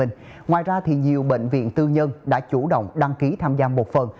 ngoài ra nhiều bệnh viện tư nhân đã chủ động đăng ký tham gia một phần